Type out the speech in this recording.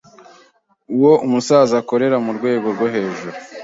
uwo musaza akorera murwego rwo hejuru